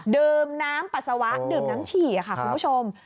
เดิมน้ำปัสสาวะเดิมน้ำฉี่คุณผู้ชม